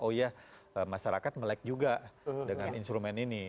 oh iya masyarakat melek juga dengan instrumen ini